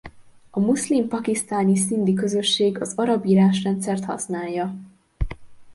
A muszlim pakisztáni szindhi közösség az arab írásrendszert használja.